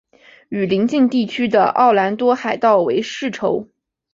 与邻近地区的奥兰多海盗为世仇。